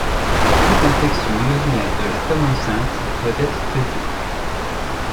Toute infection urinaire de la femme enceinte doit être traitée.